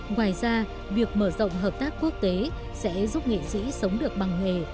ngoài ra việc mở rộng hợp tác quốc tế sẽ giúp nghệ sĩ sống được bằng nghề